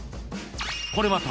［これまた］